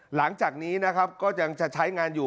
หลังจากนี้นะครับก็ยังจะใช้งานอยู่